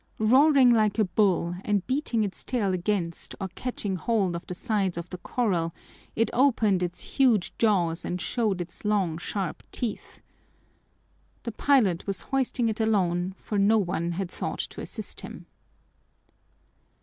Roaring like a bull and beating its tail against or catching hold of the sides of the corral, it opened its huge jaws and showed its long, sharp teeth. The pilot was hoisting it alone, for no one had thought to assist him.